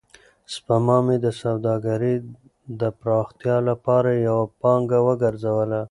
سپما مې د سوداګرۍ د پراختیا لپاره یوه پانګه وګرځوله.